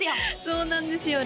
そうなんですよ